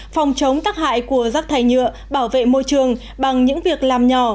phòng chống tắc hại của rắc thay nhựa bảo vệ môi trường bằng những việc làm nhỏ